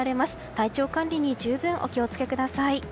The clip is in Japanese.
体調管理に十分お気を付けください。